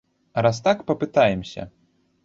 А раз так, папытаемся!